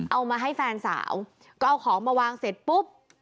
เอามาให้แฟนสาวก็เอาของมาวางเสร็จปุ๊บ